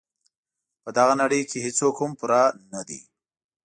په دغه نړۍ کې هیڅوک هم پوره نه دي.